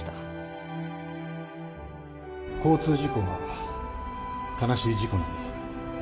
交通事故は悲しい事故なんです。